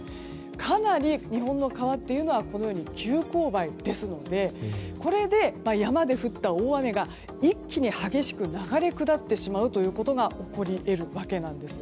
かなり日本の川というのは急勾配ですのでこれで、山で降った大雨が一気に激しく流れ下ってしまうことが起こり得るわけなんです。